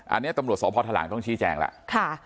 อันนี้ตำรวจสพทหลังต้องชี้แจงแล้ว